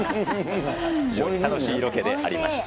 楽しいロケでありました。